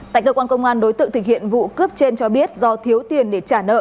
tại cơ quan công an đối tượng thực hiện vụ cướp trên cho biết do thiếu tiền để trả nợ